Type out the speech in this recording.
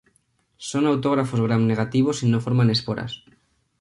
Son autótrofos Gram-negativos y no forman esporas.